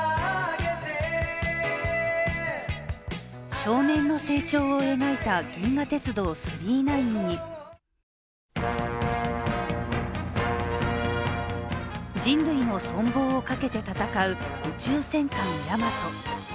少年の成長を描いた「銀河鉄道９９９」に人類の存亡をかけて戦う「宇宙戦艦ヤマト」。